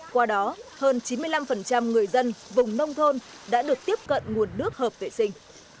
qua đó hơn chín mươi năm người dân vùng nông thôn đã được tiếp cận nguồn nước hợp vệ sinh